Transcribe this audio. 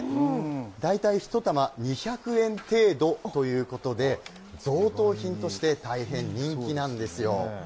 大体１玉２００円程度ということで、贈答品として大変人気なんですよ。